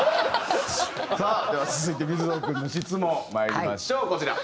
さあでは続いて水野君の質問まいりましょうこちら。